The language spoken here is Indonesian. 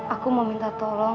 aku mau minta tolong